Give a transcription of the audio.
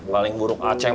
paling buruk acing